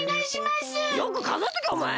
よくかぞえとけおまえ！